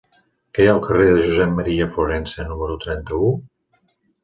Què hi ha al carrer de Josep M. Florensa número trenta-u?